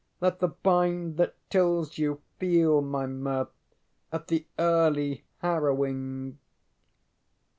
Let the bind that tills you feel my mirth At the early harrowing.